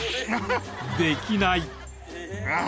［できない］